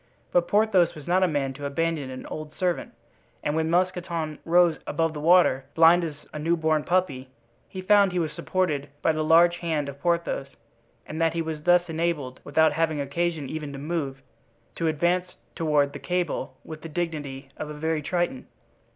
But Porthos was not a man to abandon an old servant, and when Mousqueton rose above the water, blind as a new born puppy, he found he was supported by the large hand of Porthos and that he was thus enabled, without having occasion even to move, to advance toward the cable with the dignity of a very triton.